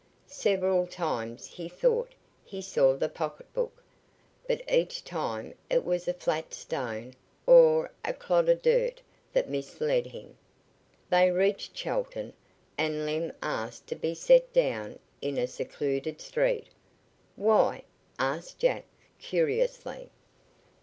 Several times he thought he saw the pocketbook, but each time it was a flat stone or a clod of dirt that misled him. They reached Chelton, and Lem asked to be set down in a secluded street. "Why?" asked Jack curiously.